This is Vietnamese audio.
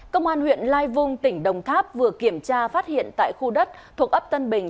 công an huyện lai vung tỉnh đồng tháp vừa kiểm tra phát hiện tại khu đất thuộc ấp tân bình